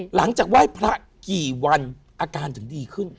หลังจากไหว้พระกี่วันอาการถึงดีขึ้น